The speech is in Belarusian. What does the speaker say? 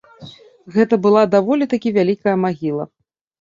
Гэта была даволі такі вялікая магіла.